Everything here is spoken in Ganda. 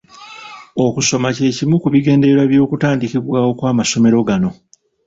Okusoma ky'ekimu ku bigendererwa by’okutandikibwawo kw’amasomero gano